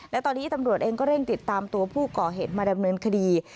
และตอนนี้ตำรวจเองก็เร่งติดตามตัวผู้ก่อเหตุมาดำเนินคดี